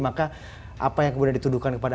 maka apa yang kemudian dituduhkan kepada